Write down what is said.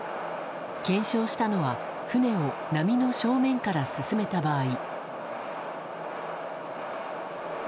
検証したのは船を波の正面から進めた場合。